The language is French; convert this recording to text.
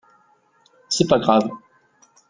C'est pas grave.